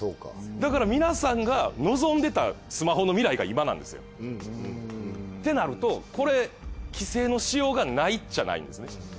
だから皆さんが望んでたスマホの未来が今なんですよ。ってなるとこれ規制のしようがないっちゃないんですね。